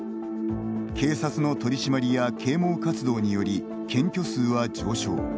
警察の取り締まりや啓もう活動により検挙数は上昇。